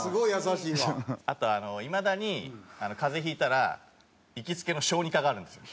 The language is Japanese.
あとはいまだに風邪引いたら行きつけの小児科があるんですよ。